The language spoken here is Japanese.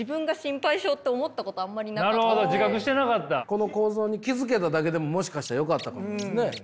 この構造に気付けただけでももしかしたらよかったかもですね。